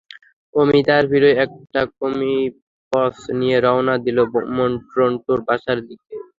অমি তার প্রিয় একটা কমিকস নিয়ে রওনা দিল রন্টুর বাসার দিকে।